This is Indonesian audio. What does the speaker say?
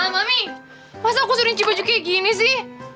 mami masa aku suruh nyuci baju kayak gini sih